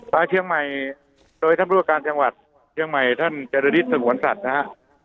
มาเชียงใหม่โดยท่านผู้ว่าการจังหวัดเชียงใหม่ท่านเจรนิดสงวนสัตว์นะฮะ